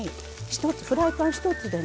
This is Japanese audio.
フライパン１つでね